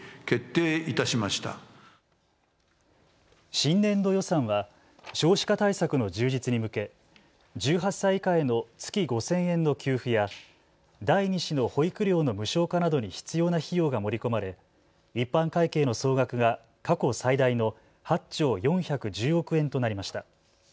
新年度予算は少子化対策の充実に向け１８歳以下への月５０００円の給付や第２子の保育料の無償化などに必要な費用が盛り込まれ一般会計の総額が過去最大の８兆４１０億円となりました。